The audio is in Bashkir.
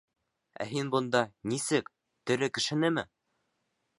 Ә һин бында... нисек, тере кешенеме?